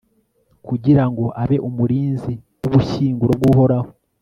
kugira ngo abe umurinzi w'ubushyinguro bw'uhoraho